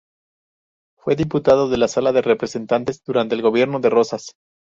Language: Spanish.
Fue diputado de la Sala de Representantes durante el gobierno de Rosas.